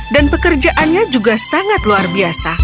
dan pekerjaannya juga sangat luar biasa